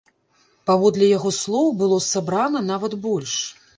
Паводле яго слоў, было сабрана нават больш.